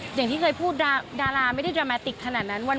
อย่างที่เคยพูดดาราไม่ได้ดราแมติกขนาดนั้น